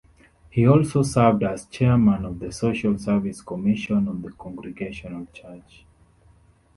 He also served as chairman of the Social Service Commission of the Congregational Church.